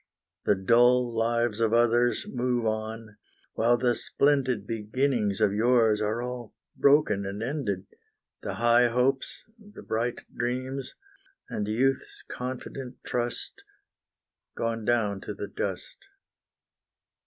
The dull lives of others move on, while the splendid Beginnings of yours are all broken and ended, The high hopes, the bright dreams, and youth's confident trust, Gone down to the dust.